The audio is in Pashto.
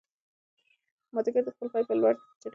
مازیګر د خپل پای په لور په چټکۍ روان دی.